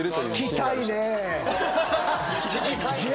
聞きたいね。